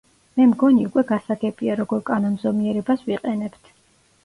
მე მგონი უკვე გასაგებია როგორ კანონზომიერებას ვიყენებთ.